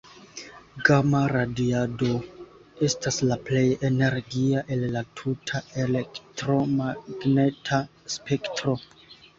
Gama-radiado estas la plej energia el la tuta elektromagneta spektro.